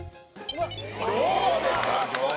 どうですか！